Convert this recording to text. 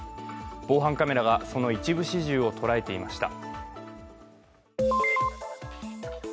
防犯カメラが、その一部始終を捉えていました。